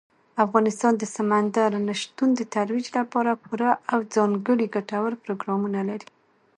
افغانستان د سمندر نه شتون د ترویج لپاره پوره او ځانګړي ګټور پروګرامونه لري.